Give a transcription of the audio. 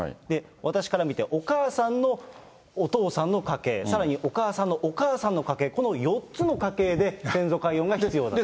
私から見て、お母さんのお父さんの家系、さらにお母さんのお母さんの家系、この４つの家系で、先祖解怨が必要だと。